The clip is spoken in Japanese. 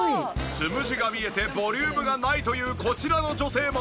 つむじが見えてボリュームがないというこちらの女性も。